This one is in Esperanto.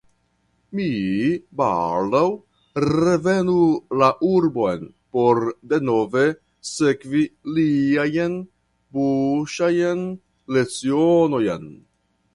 Mi baldaŭ revenu la urbon por denove sekvi liajn buŝajn lecionojn.